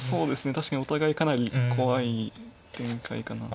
確かにお互いかなり怖い展開かなと。